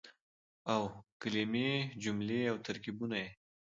او کلمې ،جملې او ترکيبونه يې